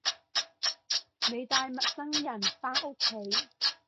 你帶陌生人返屋企